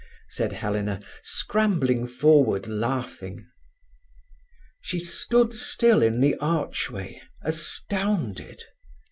said Helena, scrambling forward, laughing. She stood still in the archway, astounded.